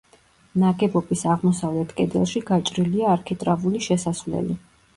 ნაგებობის აღმოსავლეთ კედელში გაჭრილია არქიტრავული შესასვლელი.